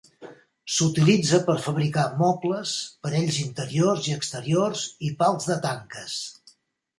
S'utilitza per fabricar mobles, panells interiors i exteriors i pals de tanques.